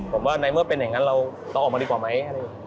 ผมว่าในเมื่อเป็นอย่างนั้นเราต่อออกมาดีกว่าไหม